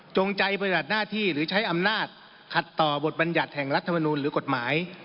ใจปฏิบัติหน้าที่หรือใช้อำนาจขัดต่อบทบรรยัติแห่งรัฐมนูลหรือกฎหมาย